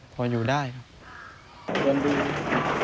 พออยู่ได้ครับ